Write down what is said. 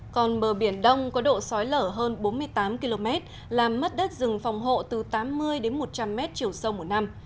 còn bờ biển đông có độ sói lở hơn bốn mươi tám km làm mất đất rừng phòng hộ từ tám mươi đến một trăm linh m chiều sâu một năm